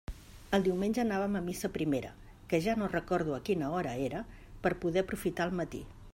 El diumenge anàvem a missa primera, que ja no recordo a quina hora era, per poder aprofitar el matí.